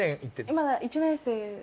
まだ１年生。